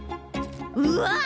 うわっ！